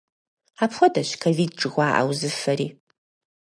Апхуэдэщ ковид жыхуаӏэ узыфэри.